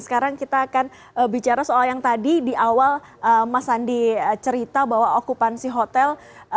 sekarang kita akan bicara soal yang tadi di awal mas andi cerita bahwa okupansi hotel